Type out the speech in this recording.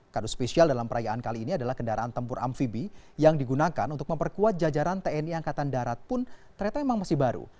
kadu spesial dalam perayaan kali ini adalah kendaraan tempur amfibi yang digunakan untuk memperkuat jajaran tni angkatan darat pun ternyata memang masih baru